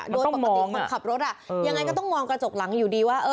โดยปกติคนขับรถยังไงก็ต้องมองกระจกหลังอยู่ดีว่า